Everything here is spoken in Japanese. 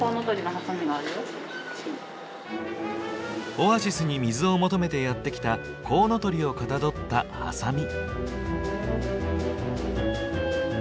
オアシスに水を求めてやって来たコウノトリをかたどったハサミ。